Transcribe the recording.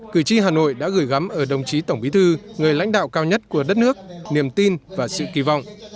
cử tri hà nội đã gửi gắm ở đồng chí tổng bí thư người lãnh đạo cao nhất của đất nước niềm tin và sự kỳ vọng